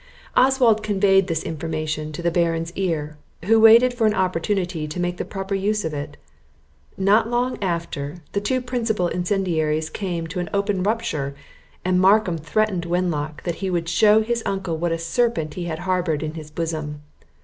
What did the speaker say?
Oswald conveyed this information to the Baron's ear, who waited for an opportunity to make the proper use of it. Not long after, the two principal incendiaries came to an open rupture, and Markham threatened Wenlock that he would shew his uncle what a serpent he had harboured in his bosom.